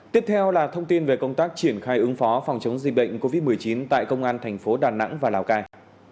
tiếp theo là thông tin về công tác triển khai ứng phó phòng chống dịch bệnh covid một mươi chín tại công an thành phố đà nẵng và lào cai